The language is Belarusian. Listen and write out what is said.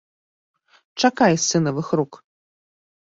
Чакай з сынавых рук.